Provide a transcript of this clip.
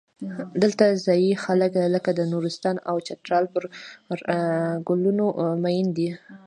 دلته ځايي خلک لکه د نورستان او چترال پر ګلونو مین دي.